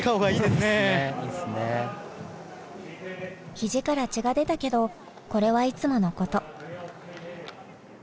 肘から血が出たけどこれはいつものこと。